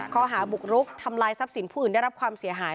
ข้อหาบุกรุกทำลายทรัพย์สินผู้อื่นได้รับความเสียหาย